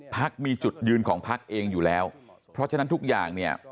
พักมีจุดยืนของพักเองอยู่แล้วเพราะฉะนั้นทุกอย่างเนี่ย